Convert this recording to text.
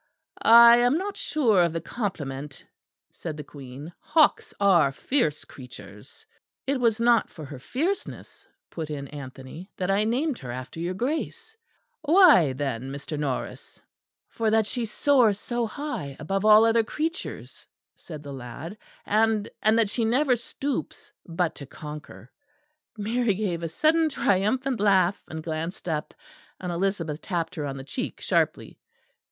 "I am not sure of the compliment," said the Queen; "hawks are fierce creatures." "It was not for her fierceness," put in Anthony, "that I named her after your Grace." "Why, then, Mr. Norris?" "For that she soars so high above all other creatures," said the lad, "and and that she never stoops but to conquer." Mary gave a sudden triumphant laugh, and glanced up, and Elizabeth tapped her on the cheek sharply.